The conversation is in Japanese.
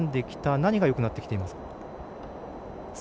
何がよくなっていますか？